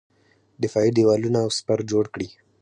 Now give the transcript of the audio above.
دفاعي دېوالونه او سپر جوړ کړي.